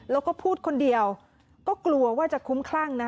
แล้วก็พูดคนเดียวก็กลัวว่าจะคุ้มคลั่ง